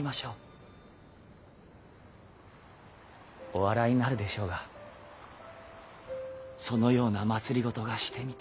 お笑いになるでしょうがそのような政がしてみたい。